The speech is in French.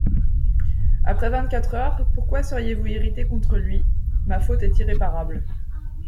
»Après vingt-quatre heures, pourquoi seriez-vous irrité contre lui ? Ma faute est irréparable.